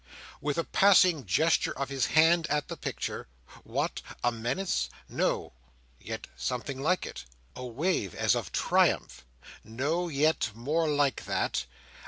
With a passing gesture of his hand at the picture—what! a menace? No; yet something like it. A wave as of triumph? No; yet more like that.